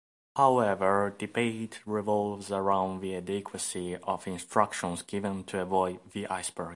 However, debate revolves around the adequacy of instructions given to avoid the iceberg.